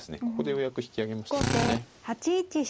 ここでようやく引き揚げましたね。